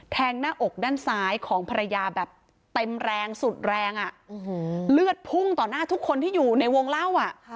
หน้าอกด้านซ้ายของภรรยาแบบเต็มแรงสุดแรงเลือดพุ่งต่อหน้าทุกคนที่อยู่ในวงเล่า